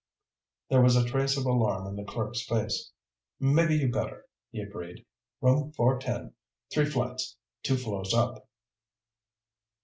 There was a trace of alarm in the clerk's face. "Maybe you better," he agreed. "Room 410. Three flights. Two floors up."